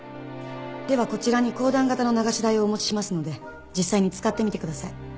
ではこちらに公団型の流し台をお持ちしますので実際に使ってみてください。